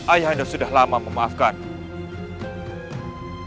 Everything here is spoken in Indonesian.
ayahanda sudah lama memaafkanmu